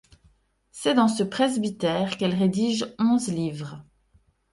C'est dans ce presbytère qu'elle rédige onze livres.